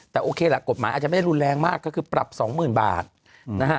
แต่โอเคล่ะกฎหมายอาจจะไม่ได้รุนแรงมากก็คือปรับ๒๐๐๐บาทนะฮะ